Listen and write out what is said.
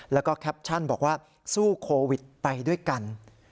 แล้วก็แคปชั่นบอกว่าสู้โควิดไปด้วยกัน